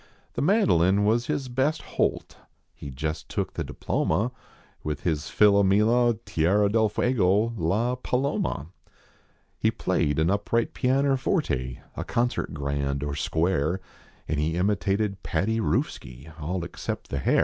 The mandolin was his best holt He jest took the diploma With his Philomela, Tierra Del Fuego, L,a Paloma. He played an upright pianner forte, A concert grand, or square, And he imitated Paddy Roofski, all accept the hair.